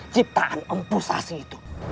ciptaan empusasi itu